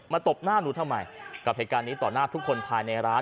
ตบหน้าหนูทำไมกับเหตุการณ์นี้ต่อหน้าทุกคนภายในร้าน